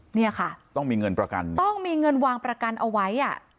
เนี่ยค่ะต้องมีเงินวางประกันเอาไว้